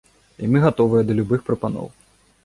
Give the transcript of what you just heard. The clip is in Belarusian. І мы гатовыя да любых прапаноў.